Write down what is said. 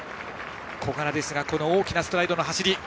小柄ですが大きなストライドの走り。